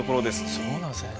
そうなんですね。